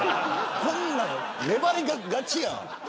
こんなん粘り勝ちやん。